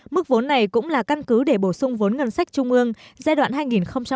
mức vốn này cũng là căn cứ để bổ sung vốn ngân sách trung ương giai đoạn hai nghìn một mươi sáu hai nghìn hai mươi